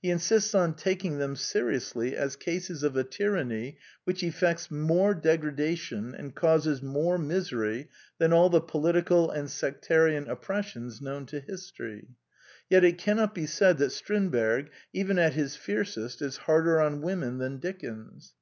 He insists on taking them seriously as cases of a tyranny which effects more degradation and causes more misery than all the political and sectarian oppressions known to his tory. Yet it cannot be said that Strindberg, even at his fiercest, is harder on women than Dickens.